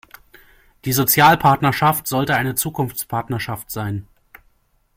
Die Sozialpartnerschaft sollte eine Zukunftspartnerschaft sein.